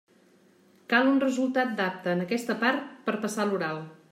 Cal un resultat d'apte en aquesta part per passar a l'oral.